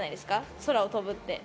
空を飛ぶって。